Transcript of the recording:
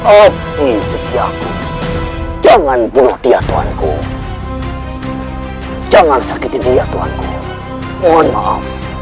abdi setiaku jangan bunuh dia tuanku jangan sakiti dia tuanku mohon maaf